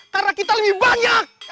karena kita lebih banyak